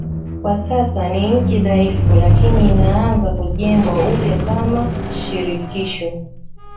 Kwa sasa ni nchi dhaifu lakini inaanza kujengwa upya kama shirikisho.